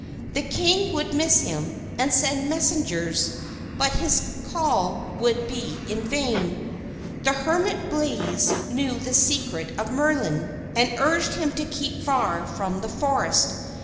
The king would miss him, and send messengers; but his call would be in vain. "The hermit Blaise knew the secret of Merlin, and urged him to keep far from the forest.